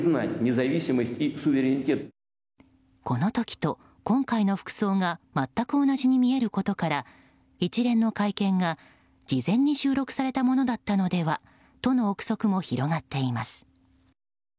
この時と今回の服装が全く同じに見えることから一連の会見が事前に収録されたものだったのではとの憶測も広がっています。